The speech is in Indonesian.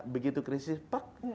begitu krisis pak